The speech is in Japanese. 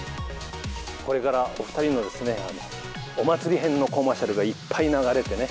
これからお２人のお祭り篇のコマーシャルがいっぱい流れてね。